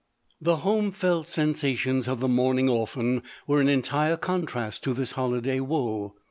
The home felt sensations of the mourning 1 orphan, were in entire contrast to this holiday woe.